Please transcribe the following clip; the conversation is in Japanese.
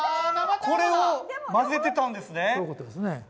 これをまぜてたんですね